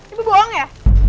ibu bohong ya